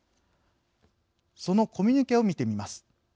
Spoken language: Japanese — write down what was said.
そのコミュニケを見てみます。